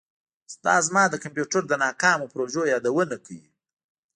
دا زما د کمپیوټر د ناکامو پروژو یادونه کوي